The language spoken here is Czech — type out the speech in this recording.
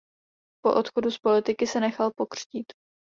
Po odchodu z politiky se nechal pokřtít.